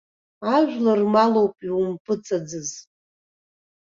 Ажәлар рмалоуп иумпыҵаӡыз.